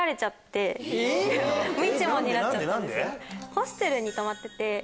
ホステルに泊まってて。